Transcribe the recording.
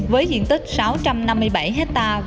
với diện tích sáu trăm năm mươi bảy hectare